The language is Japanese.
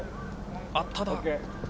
あっ、ただ。